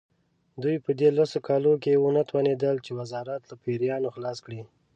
دوی په دې لسو کالو کې ونه توانېدل چې وزارت له پیریانو خلاص کړي.